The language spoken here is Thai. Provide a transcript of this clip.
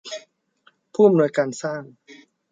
ผู้อำนวยการสร้าง